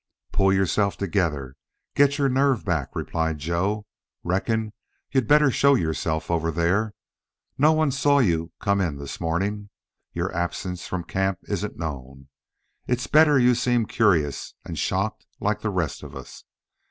"Pull yourself together. Get your nerve back," replied Joe. "Reckon you'd better show yourself over there. No one saw you come in this morning your absence from camp isn't known. It's better you seem curious and shocked like the rest of us.